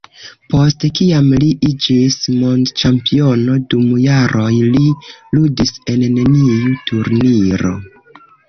Post kiam li iĝis mondĉampiono, dum jaroj li ludis en neniu turniro.